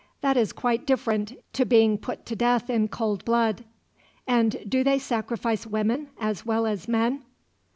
That is quite different to being put to death in cold blood. And do they sacrifice women, as well as men?"